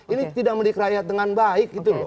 ini tidak menikrair dengan baik gitu loh